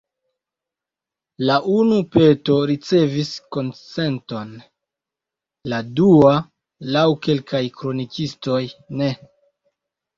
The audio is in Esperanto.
La unu peto ricevis konsenton, la dua, laŭ kelkaj kronikistoj, ne.